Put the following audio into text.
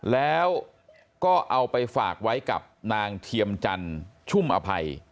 แล้วก็เอาไปฝากไว้กับนางเทียมจันทร์ชุ่มอภัย